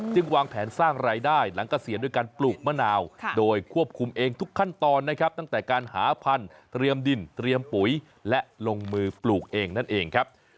วางแผนสร้างรายได้หลังเกษียณด้วยการปลูกมะนาวโดยควบคุมเองทุกขั้นตอนนะครับตั้งแต่การหาพันธุ์เตรียมดินเตรียมปุ๋ยและลงมือปลูกเองนั่นเองครับ